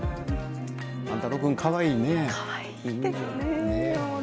万太郎君かわいいね。